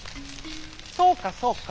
「そうかそうか。